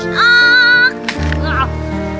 เอาไม่ออก